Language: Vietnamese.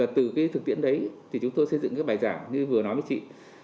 từ thực tiễn đấy chúng tôi xây dựng bài giảng như vừa nói với chị